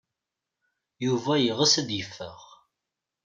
Yuba yeɣs ad yeffeɣ.